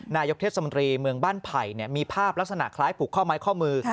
นายกเทศมนตรีเมืองบ้านไผ่มีภาพลักษณะคล้ายผูกข้อไม้ข้อมือ